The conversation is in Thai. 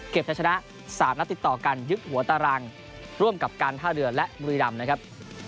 จะชนะ๓นัดติดต่อกันยึดหัวตารางร่วมกับการท่าเรือและบุรีรำนะครับ